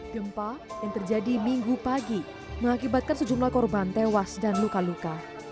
gempa yang terjadi minggu pagi mengakibatkan sejumlah korban tewas dan luka luka